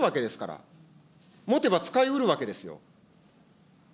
しかし、今度持つわけですから、持てば使いうるわけですよ。